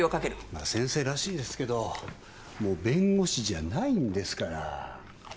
まあ先生らしいですけどもう弁護士じゃないんですから。